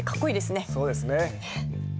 そうですね。